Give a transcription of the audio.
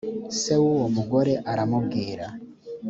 se w uwo mugore aramubwira